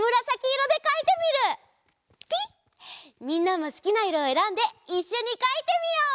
みんなもすきないろをえらんでいっしょにかいてみよう！